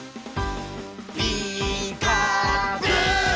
「ピーカーブ！」